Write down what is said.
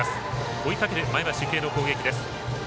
追いかける前橋育英の攻撃です。